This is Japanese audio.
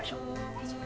大丈夫？